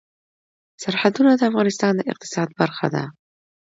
سرحدونه د افغانستان د اقتصاد برخه ده.